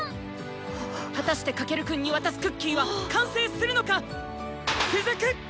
果たして翔くんに渡すクッキーは完成するのか⁉続く！」。